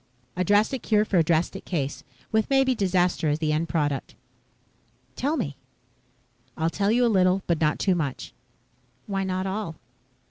"A drastic cure for a drastic case. With maybe disaster as the end product." "Tell me." "I'll tell you a little, but not too much." "Why not all?"